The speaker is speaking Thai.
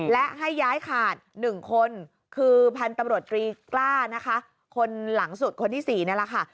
และให้ย้ายขาด๑คนคือพันธุ์ตำรวจตรีกล้านะคะคนหลังสุดคนที่๔นี่แหละค่ะ